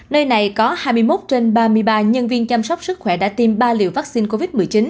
nơi này có hai mươi một trên ba mươi ba nhân viên chăm sóc sức khỏe đã tiêm ba liều vaccine covid một mươi chín